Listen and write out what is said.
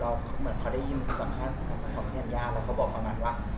เหมือนเขาได้ยินกับภาษณ์ของพี่ธัญญาแล้วเขาบอกประมาณว่า